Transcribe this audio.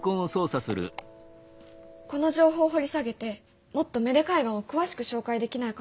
この情報掘り下げてもっと芽出海岸を詳しく紹介できないかなと思って。